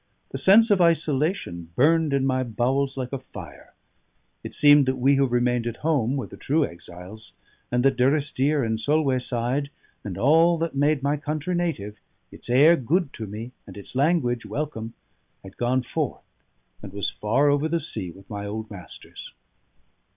The sense of isolation burned in my bowels like a fire. It seemed that we who remained at home were the true exiles, and that Durrisdeer and Solwayside, and all that made my country native, its air good to me, and its language welcome, had gone forth and was far over the sea with my old masters.